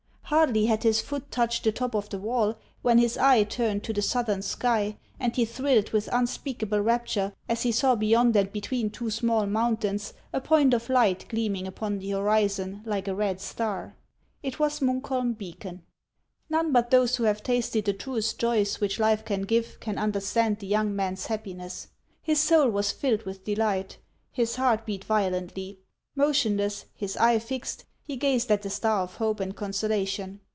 Hardly had his foot touched the top of the wall, when his eye turned to the southern sky, and he thrilled with unspeakable rapture as he saw beyond and between two small mountains a point of light gleaming upon the horizon like a red star. It was Munkholm beacon. Xone but those who have tasted the truest joys which life can give can understand the young man's happiness. His soul was filled with delight ; his heart beat violently. Motionless, his eye fixed, he gazed at the star of hope and consolation.